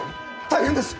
大変です！